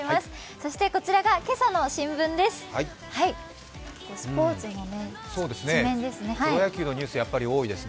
そしてこちらが今朝の新聞です。